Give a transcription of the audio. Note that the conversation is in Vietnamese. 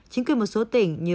chính quyền một số tỉnh như